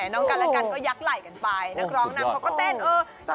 น้องกันและกันก็ยักษไหล่กันไปนักร้องนำเขาก็เต้นเออ